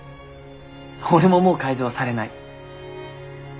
俺ももう改造はされない。